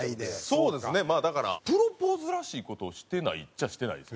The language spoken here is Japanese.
そうですねまあだからプロポーズらしい事をしてないっちゃしてないですね。